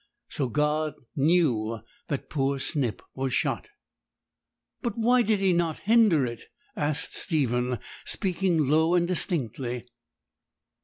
So God knew that poor Snip was shot.' 'But why did He not hinder it?' asked Stephen, speaking low and indistinctly.